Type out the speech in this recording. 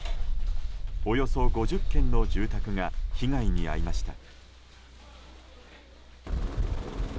およそ５０軒の住宅が被害に遭いました。